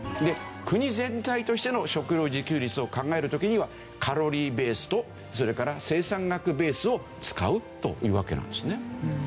国全体としての食料自給率を考える時にはカロリーベースとそれから生産額ベースを使うというわけなんですね。